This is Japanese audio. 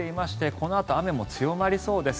このあと、雨も強まりそうです。